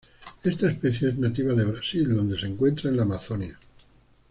Esta especie es nativa de Brasil donde se encuentra en la Amazonia.